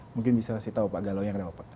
mungkin bisa kasih tau pak galau yang kenapa pak